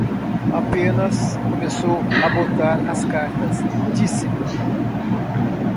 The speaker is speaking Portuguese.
Apenas começou a botar as cartas, disse-me: